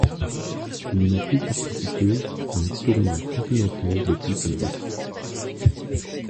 Il n'a plus participé à un tournoi continental depuis cette date.